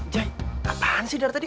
jaya apaan sih dari tadi